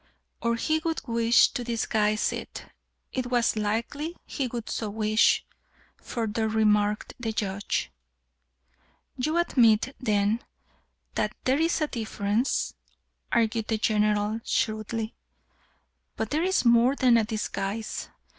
"Or he would wish to disguise it. It was likely he would so wish," further remarked the Judge. "You admit, then, that there is a difference?" argued the General, shrewdly. "But there is more than a disguise.